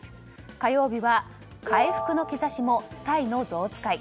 火曜日は回復の兆しも、タイのゾウ使い。